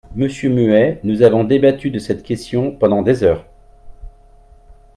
Monsieur Muet, nous avons débattu de cette question pendant des heures.